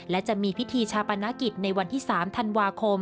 และจะมีพิธีชาปนกิจในวันที่๓ธันวาคม